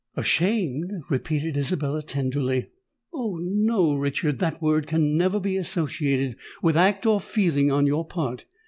"Ashamed!" repeated Isabella, tenderly: "Oh! no, Richard—that word can never be associated with act or feeling on your part!